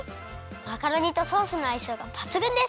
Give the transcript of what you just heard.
マカロニとソースのあいしょうがばつぐんです！